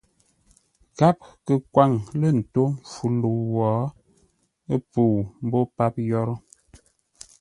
Gháp kə kwaŋ lə̂ ńtó mpfu ləu wo, ə́ pəu mbô páp yórə́.